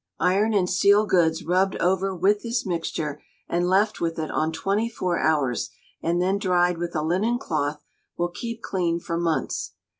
Iron and steel goods, rubbed over with this mixture, and left with it on twenty four hours, and then dried with a linen cloth, will keep clean for months.